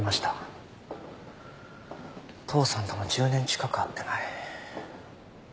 父さんとも１０年近く会ってない。